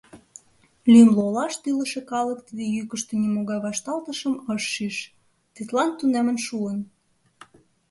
Лӱмлӧ олаште илыше калык тиде йӱкыштӧ нимогай вашталтышым ыш шиж, тидлан тунем шуын.